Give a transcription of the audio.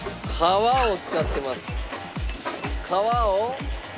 革を切ってます。